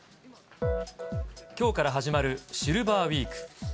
きょうから始まるシルバーウィーク。